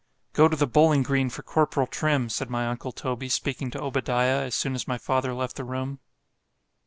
——Go to the bowling green for corporal Trim, said my uncle Toby, speaking to Obadiah, as soon as my father left the room.